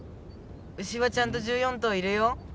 牛はちゃんと１４頭いるよ。